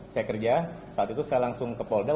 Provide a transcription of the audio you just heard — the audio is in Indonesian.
saya kerja saat itu saya langsung ke polda